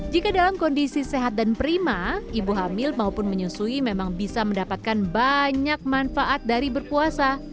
jika dalam kondisi sehat dan prima ibu hamil maupun menyusui memang bisa mendapatkan banyak manfaat dari berpuasa